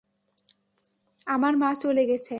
আমার মা চলে গেছে।